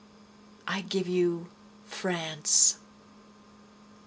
I give you France!